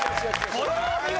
これはお見事。